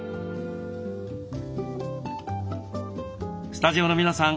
スタジオの皆さん